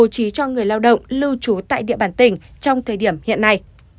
trí cho người lao động lưu trú tại địa bàn tỉnh trong thời điểm hiện nay